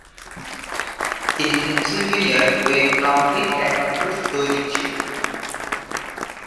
এটি পেনসিলভেনিয়ার ওয়েন কাউন্টির একমাত্র দৈনিক ছিল।